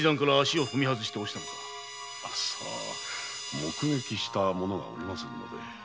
目撃した者がおりませんので。